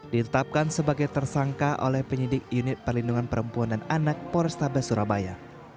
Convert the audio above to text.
ditetapkan sebagai tersangka oleh penyidik unit perlindungan perempuan dan anak polrestabes surabaya